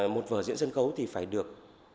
một vở diễn sân khấu thì phải được